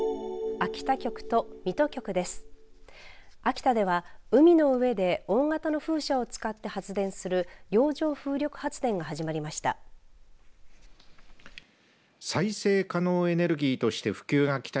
秋田では海の上で大型の風車を使って発電する洋上風力発電が始まりました。